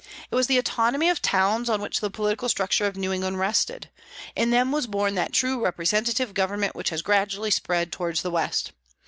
It was the autonomy of towns on which the political structure of New England rested. In them was born that true representative government which has gradually spread towards the West.